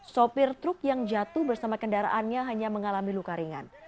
sopir truk yang jatuh bersama kendaraannya hanya mengalami luka ringan